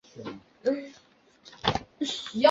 马东河畔班维勒人口变化图示